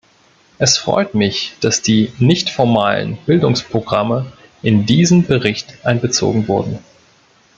Es freut mich, dass die nicht-formalen Bildungsprogramme in diesen Bericht einbezogen wurden.